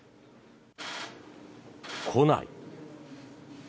来ない。